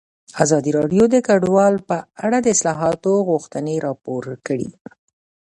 ازادي راډیو د کډوال په اړه د اصلاحاتو غوښتنې راپور کړې.